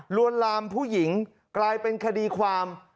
วนลามผู้หญิงกลายเป็นคดีความ